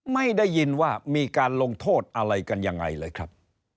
ไม่ได้ยินว่ามีการลงโทษอะไรกันยังไงเลยครับ